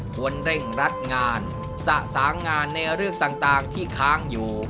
ควรเร่งรัดงานสะสางงานในเรื่องต่างที่ค้างอยู่